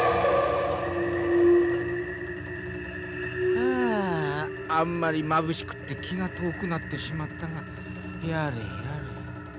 あああんまりまぶしくて気が遠くなってしまったがやれやれ。